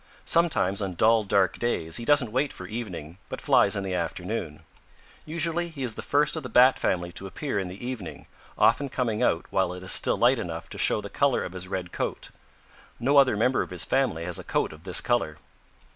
Sometimes on dull, dark days he doesn't wait for evening, but flies in the afternoon. Usually he is the first of the Bat family to appear in the evening, often coming out while it is still light enough to show the color of his red coat. No other member of his family has a coat of this color.